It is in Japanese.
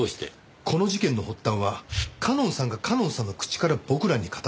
この事件の発端は夏音さんが夏音さんの口から僕らに語った物語。